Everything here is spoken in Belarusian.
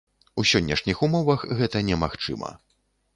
У сённяшніх умовах гэта немагчыма.